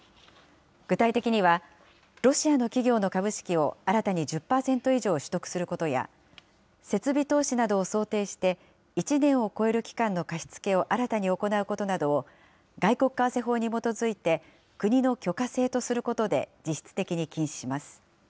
具体的には、ロシアの企業の株式を新たに１０％以上取得することや、設備投資などを想定して、１年を超える期間の貸し付けを新たに行うことなどを、外国為替法に基づいて、国の許可制とすることで実質的に禁止します。